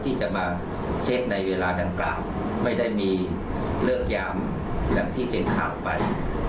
ที่จะมาเช็คในเวลาดังกล่าวไม่ได้มีเลิกยามอย่างที่เป็นข่าวไป